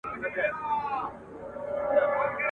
دې ښارته به د اوښکو د سېلونو سلا نه وي !.